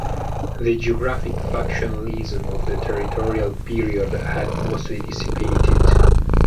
The geographic factionalism of the territorial period had mostly dissipated.